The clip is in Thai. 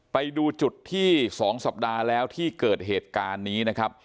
ไปดูจุดที่๒สัปดาห์แล้วที่เกิดเหตุการณ์นี้นะครับ